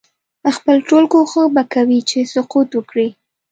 خپل ټول کوښښ به کوي چې سقوط وکړي.